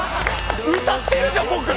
歌ってるじゃん、僕。